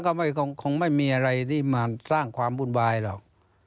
ก็คงไม่มีอะไรที่มาสร้างความวุ่นวายหรอก